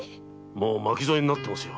もう巻き添えになっていますよ